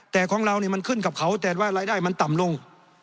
แต่ของเราเนี่ยมันขึ้นกับเขาแต่ว่ารายได้มันต่ำลง